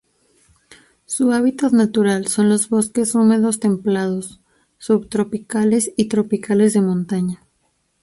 Su hábitat natural son los bosques húmedos templados, subtropicales y tropicales de montaña.